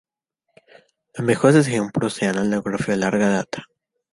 Los mejores ejemplos se dan en naufragios de larga data.